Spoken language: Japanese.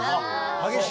激しい？